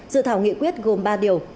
dự thảo nghị quyết gồm ba điều